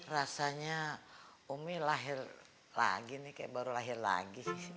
rasanya omik lahir lagi nih kayak baru lahir lagi